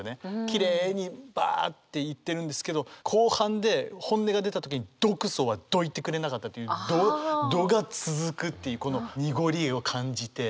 きれいにばあっていってるんですけど後半で本音が出た時に「毒素はどいてくれなかった」という「ど」が続くっていうこの濁りを感じて。